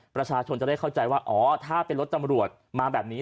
ประชาชนจะได้เข้าใจว่าอ๋อถ้าเป็นรถตำรวจมาแบบนี้